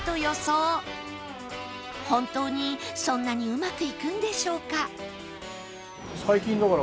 本当にそんなにうまくいくんでしょうか？